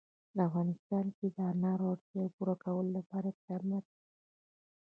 په افغانستان کې د انار د اړتیاوو پوره کولو لپاره اقدامات کېږي.